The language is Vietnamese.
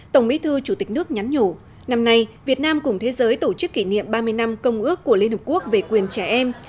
tổng bí thư chủ tịch nước nhắn nhủ năm nay việt nam cùng thế giới tổ chức kỷ niệm ba mươi năm công ước của liên hợp quốc về quyền trẻ em